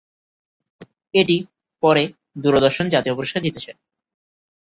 এটি পরে দূরদর্শন জাতীয় পুরস্কার জিতেছে।